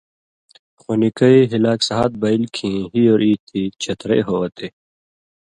خو نِکئ ہِلاک سہت بئیلیۡ کھیں ہی اور ای تھی چھترئ ہو وتے۔